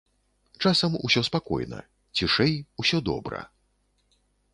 Часам усё спакойна, цішэй, усё добра.